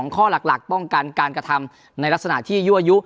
ข้อหลักป้องกันการกระทำในลักษณะที่ยั่วยุ